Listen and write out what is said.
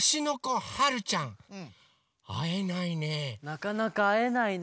なかなかあえないね。